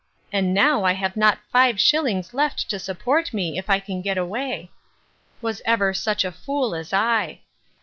—And now I have not five shillings left to support me, if I can get away.—Was ever such a fool as I!